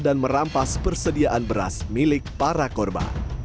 dan merampas persediaan beras milik para korban